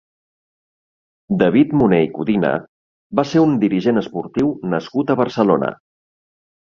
David Moner i Codina va ser un dirigent esportiu nascut a Barcelona.